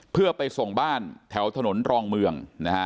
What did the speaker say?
เพื่อไปส่งบ้านแถวถนนรองเมืองนะฮะ